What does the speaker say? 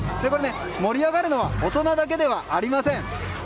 盛り上がるのは大人だけではありません。